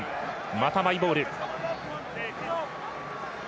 また、マイボール。